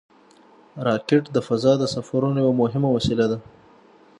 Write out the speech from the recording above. راکټ د فضا د سفرونو یوه مهمه وسیله ده